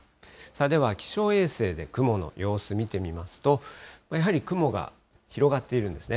では気象衛星で雲の様子見てみますと、やはり雲が広がっているんですね。